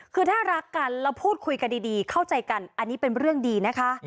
คือถ้ารักกันแล้วพูดคุยกันดีเข้าใจกันอันนี้เป็นเรื่องดีนะคะ